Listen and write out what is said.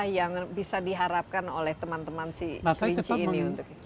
yang bisa diharapkan oleh teman teman si kelinci ini